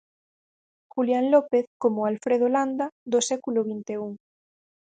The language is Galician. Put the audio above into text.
Julián López coma o Alfredo Landa do século vinte e un.